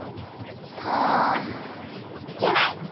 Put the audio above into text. パじゃない！